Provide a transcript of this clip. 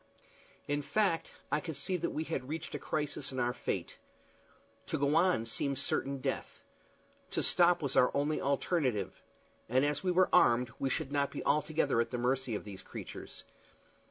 In fact, I could see that we had reached a crisis in our fate. To go on seemed certain death. To stop was our only alternative; and as we were armed we should not be altogether at the mercy of these creatures.